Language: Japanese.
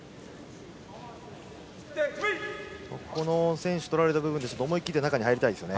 先取をとられた部分で思い切って中に入りたいですよね。